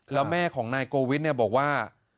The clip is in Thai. แล้วแม่ของนายโกวิดเนี่ยบอกว่า